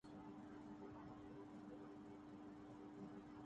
اے شہ عرب شہ انبیاء تیری سب صفات میں چاندنی